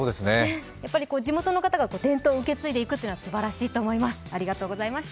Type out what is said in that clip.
やっぱり地元の方が伝統を受け継いでいくというのはすばらしいと思います。